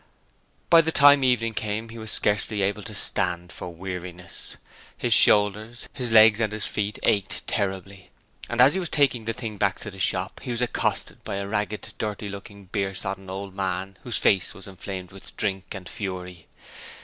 By the time evening came he was scarcely able to stand for weariness. His shoulders, his legs and his feet ached terribly, and as he was taking the thing back to the shop he was accosted by a ragged, dirty looking, beer sodden old man whose face was inflamed with drink and fury.